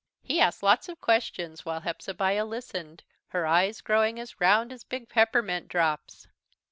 He asked lots of questions, while Hepzebiah listened, her eyes growing as round as big peppermint drops.